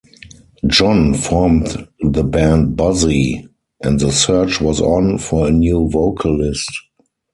John formed the band "Buzzie", and the search was on for a new vocalist.